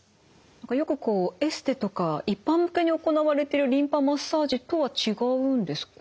よくこうエステとか一般向けに行われてるリンパマッサージとは違うんですか？